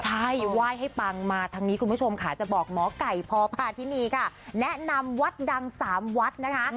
ใช่ไหว้ให้ปังมาทางนี้คุณผู้ชมค่ะจะบอกหมอไก่พอพาทินีค่ะแนะนำวัดดังสามวัดนะคะ